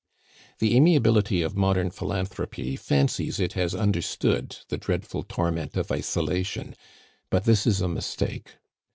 The amiability of modern philanthropy fancies it has understood the dreadful torment of isolation, but this is a mistake.